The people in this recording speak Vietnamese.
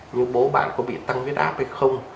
như bố bạn có bị tăng viết áp hay không